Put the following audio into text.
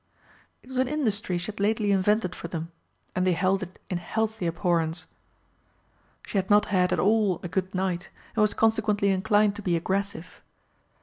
It was an industry she had lately invented for them, and they held it in healthy abhorrence. She had not had at all a good night, and was consequently inclined to be aggressive.